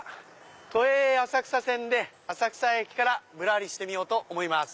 都営浅草線で浅草駅からぶらりしてみようと思います。